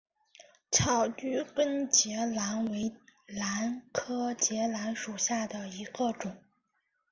翘距根节兰为兰科节兰属下的一个种。